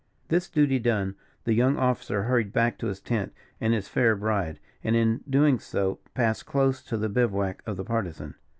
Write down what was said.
This duty done, the young officer hurried back to his tent and his fair bride; and, in doing so, passed close to the bivouac of the Partisan.